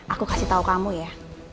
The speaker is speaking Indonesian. aku kasih tahu kamu ya